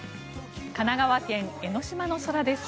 神奈川県・江の島の空です。